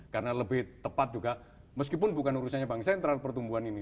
karena lebih tepat juga meskipun bukan urusannya bank sentral pertumbuhan ini